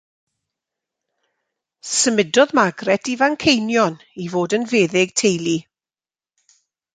Symudodd Margaret i Fanceinion i fod yn feddyg teulu.